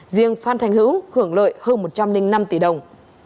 riêng phan thành hữu hưởng lợi hơn một trăm linh năm tỷ đồng